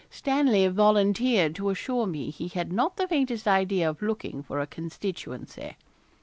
Stanley volunteered to assure me he had not the faintest idea of looking for a constituency.